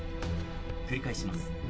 「繰り返します」